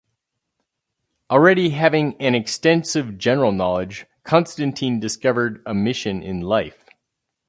Already having an extensive general knowledge, Constantine discovered a mission in life.